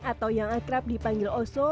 atau yang akrab dipanggil oso